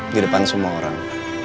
di depan semua orang